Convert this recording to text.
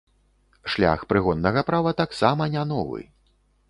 Шлях прыгоннага права таксама не новы.